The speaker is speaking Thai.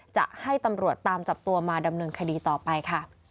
จะให้ตำรวจตามจับตัวมาดำเนินคดีต่อไปค่ะ